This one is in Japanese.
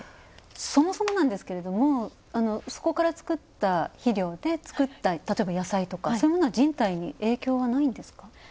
そもそもなんですけども、そこから作った肥料で作った、例えば野菜とかそういうものは人体に影響はないんですか？